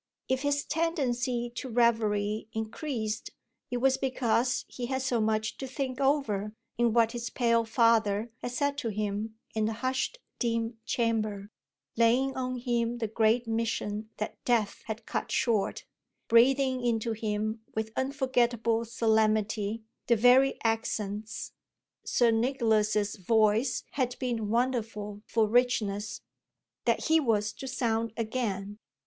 If his tendency to reverie increased it was because he had so much to think over in what his pale father had said to him in the hushed dim chamber, laying on him the great mission that death had cut short, breathing into him with unforgettable solemnity the very accents Sir Nicholas's voice had been wonderful for richness that he was to sound again.